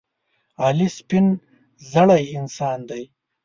علي سپینزړی انسان دی.